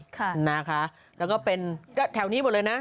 ค่ะนะคะแล้วก็เป็นแถวนี้หมดเลยนะ